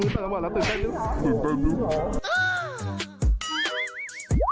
ตื่นเต้นแล้วตื่นเต้นแล้ว